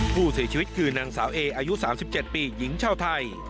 ผู้เสียชีวิตคือนางสาวเออายุ๓๗ปีหญิงชาวไทย